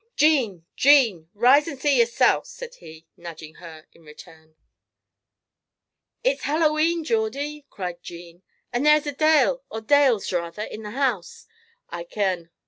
"Jean, Jean! rise and see yersel'," said he, nudging her in turn. "It's Hallow E'en, Geordie," cried Jean; "and there is a deil, or deils rather, in the house, I ken."